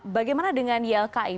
bagaimana dengan ylki